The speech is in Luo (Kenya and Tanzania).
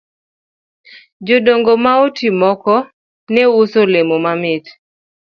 Jodongo ma oti moko ne uso olemo mamit